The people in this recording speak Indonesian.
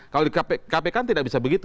kalau di kpk kan tidak bisa begitu